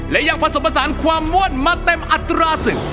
และยังผสมผสานความม่วนมาเต็มอัตราศึก